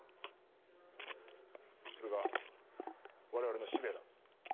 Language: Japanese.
それが我々の使命だ。